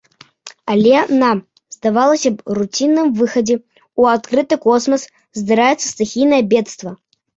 Але на, здавалася б, руцінным выхадзе ў адкрыты космас здараецца стыхійнае бедства.